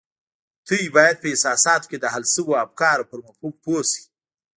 تاسې بايد په احساساتو کې د حل شويو افکارو پر مفهوم پوه شئ.